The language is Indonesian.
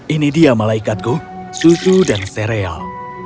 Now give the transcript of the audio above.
ini dia malaikatku susu dan sereal